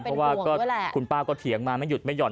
เพราะว่าคุณป้าก็เถียงมาไม่หยุดไม่ห่อน